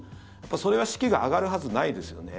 それは士気が上がるはずないですよね。